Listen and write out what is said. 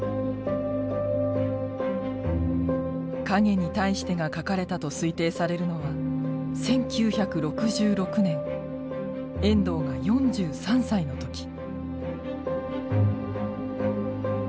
「影に対して」が書かれたと推定されるのは１９６６年遠藤が４３歳の時。